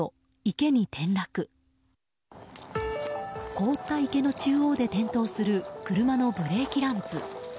凍った池の中央で点灯する車のブレーキランプ。